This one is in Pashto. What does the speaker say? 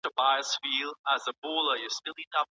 شريعت د بندګانو ترمنځ سوله مشروع کړه.